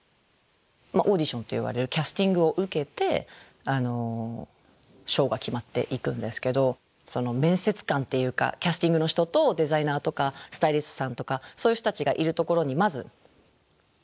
オーディションっていわれるキャスティングを受けてショーが決まっていくんですけど面接官っていうかキャスティングの人とデザイナーとかスタイリストさんとかそういう人たちがいるところにまず入っていくじゃないですか。